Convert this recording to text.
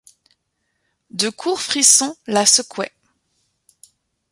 De courts frissons la secouaient.